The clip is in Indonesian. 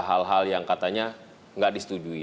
hal hal yang katanya nggak disetujui